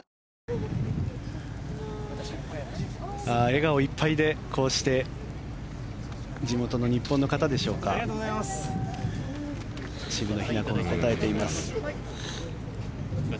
笑顔いっぱいでこうして地元の日本の方でしょうか渋野日向子が応えています。